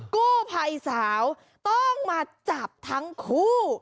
กู้ภัยสาวต้องมาจับทั้งคู่